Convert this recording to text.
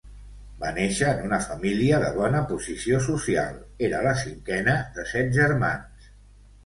Va néixer en una família de bona posició social, era la cinquena de set germans.